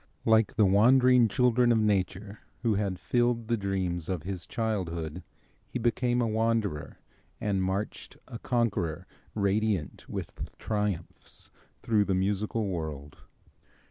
Like the wandering children of nature who had filled the dreams of his childhood, he became a wanderer and marched a conqueror, radiant with triumphs, through the musical world.